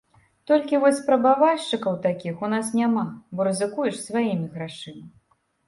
Толькі вось спрабавальшчыкаў такіх у нас няма, бо рызыкуеш сваімі грашыма.